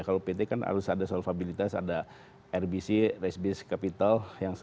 kalau pt kan harus ada solvabilitas ada rbc rbc capital